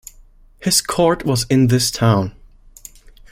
His court was in this town.